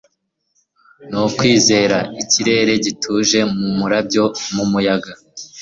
nukwizera ikirere gituje, mumurabyo mumuyaga